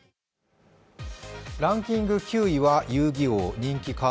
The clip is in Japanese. ランキング９位は「遊戯王」